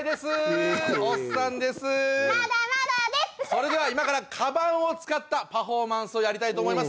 それでは今からかばんを使ったパフォーマンスをやりたいと思います。